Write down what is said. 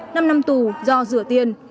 năm năm tù do rửa tiền